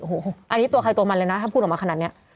โอ้โหอันนี้ตัวใครตัวมันเลยนะถ้าพูดออกมาขนาดนี้